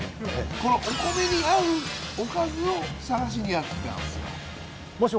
このお米に合うおかずを探しにやって来たんですよ。